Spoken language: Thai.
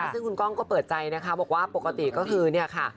ซึ่งคุณก้องก็เปิดใจนะคะบอกว่าปกติก็คือเนี่ยค่ะ